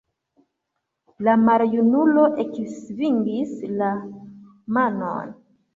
La maljunulo eksvingis la manon.